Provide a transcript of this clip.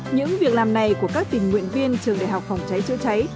những việc làm này của các tình nguyện viên trường đại học phòng cháy chữa cháy